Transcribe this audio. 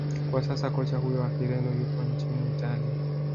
kwa sasa kocha huyo wa kireno yupo nchini italia